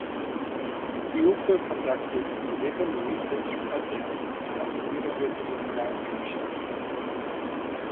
He also conducted eleven research projects of University Grant Commission.